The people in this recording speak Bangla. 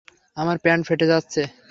আমার প্যান্ট ফেটে যাচ্ছে।